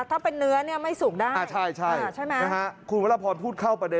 ถ้าเป็นเนื้อไม่สุกได้ใช่ไหมคุณวัลพรพูดเข้าประเด็นเลย